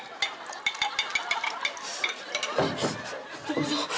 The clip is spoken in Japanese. どうぞ。